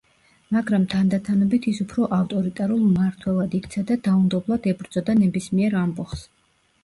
მაგრამ თანდათანობით ის უფრო ავტორიტარულ მმართველად იქცა და დაუნდობლად ებრძოდა ნებისმიერ ამბოხს.